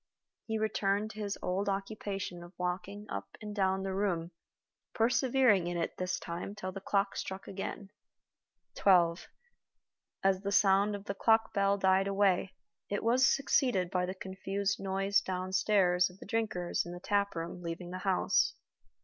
He returned to his old occupation of walking up and down the room, persevering in it this time till the clock struck again. Twelve. As the sound of the clock bell died away, it was succeeded by the confused noise downstairs of the drinkers in the taproom leaving the house.